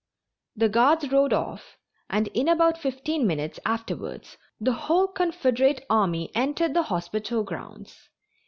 The guards rode off and in about fifteen minutes afterwards the whole Confederate army entered the hospital grounds.